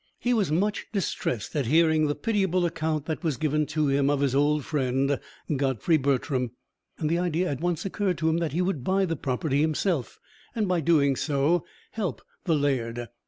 He was much distressed at hearing the pitiable account that was given to him of his old friend, Godfrey Bertram; and the idea at once occurred to him that he would buy the property himself, and by doing so help the laird.